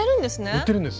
売ってるんです。